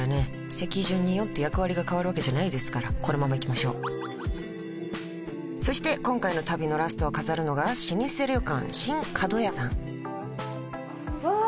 席順によって役割が変わるわけじゃないですからこのままいきましょうそして今回の旅のラストを飾るのが老舗旅館新かどやさんわあ